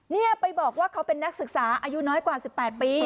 นี่ไปบอกว่าเขาเป็นนักศึกษาอายุน้อยกว่า๑๘ปี